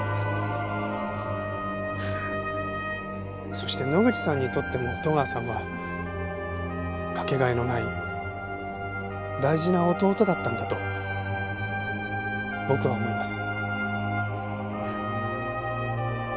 そして野口さんにとっても戸川さんはかけがえのない大事な弟だったんだと僕は思います。